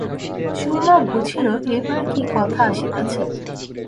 সুরমা বুঝিল, এইবার কি কথা আসিতেছে।